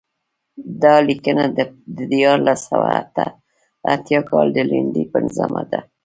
دا لیکنه د دیارلس سوه اته اتیا کال د لیندۍ پنځمه ده.